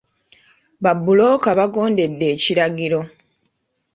Babbulooka baagondedde ekiragiro.